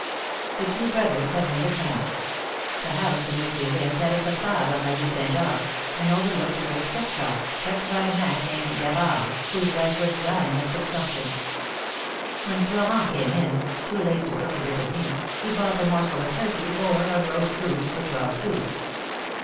The two brothers had made a friend. The house in which they lived had a fa9ade on la Rue Saint Jacques, and overlooked a great cook shop, kept by a man named Gavard, whose wife was dying of consumption. When Florent came in, too late to cook a bit of meat, he bought a morsel of turkey, or of roast goose, for twelve sous.